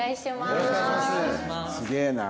すげえな。